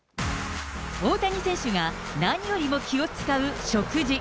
大谷選手が何よりも気を遣う食事。